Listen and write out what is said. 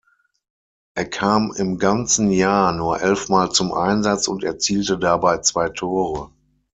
Er kam im ganzen Jahr nur elfmal zum Einsatz und erzielte dabei zwei Tore.